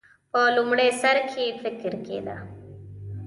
په لومړي سر کې فکر کېده.